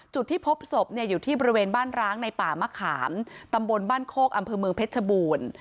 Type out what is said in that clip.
จุดที่พบศพเนี่ยอยู่ที่บริเวณบ้านร้างในป่ามะขามตำบลบ้านโคกอำเภอเมืองเพชรชบูรณ์